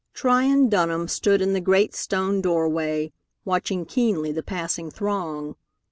Tryon Dunham stood in the great stone doorway, watching keenly the passing throng.